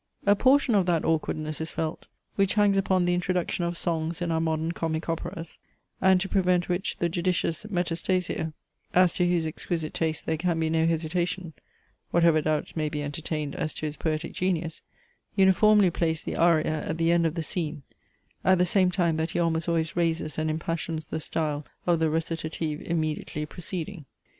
A portion of that awkwardness is felt which hangs upon the introduction of songs in our modern comic operas; and to prevent which the judicious Metastasio (as to whose exquisite taste there can be no hesitation, whatever doubts may be entertained as to his poetic genius) uniformly placed the aria at the end of the scene, at the same time that he almost always raises and impassions the style of the recitative immediately preceding.